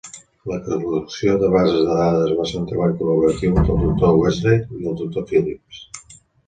La col·lecció de bases de dades va ser un treball col·laboratiu entre el doctor Wechsler i el doctor Phillips.